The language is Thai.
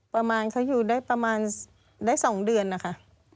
ประมาณเขาอยู่ได้ประมาณได้๒เดือนนะคะ